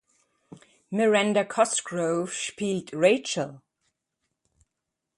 Miranda Cosgrove spielt Rachel.